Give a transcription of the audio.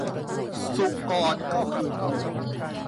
สุกรก็คือหมู